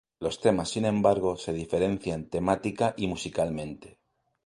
Los temas sin embargo se diferencian temática y musicalmente.